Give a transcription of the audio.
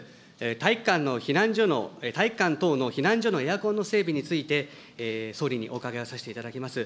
体育館の避難所の、体育館等の避難所のエアコンの整備について、総理にお伺いをさせていただきます。